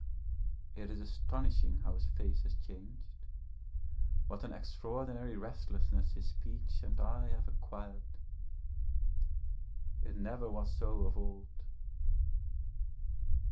It is astonishing how his face has changed, what an extraordinary restlessness his speech and eye have acquired. It never was so of old.